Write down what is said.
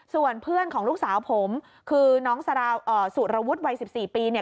ส่วนเพื่อนของลูกสาวผมคือน้องสุรวุฒิวัย๑๔ปีเนี่ย